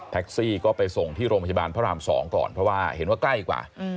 ซี่ก็ไปส่งที่โรงพยาบาลพระราม๒ก่อนเพราะว่าเห็นว่าใกล้กว่า